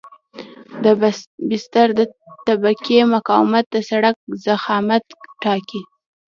د بستر د طبقې مقاومت د سرک ضخامت ټاکي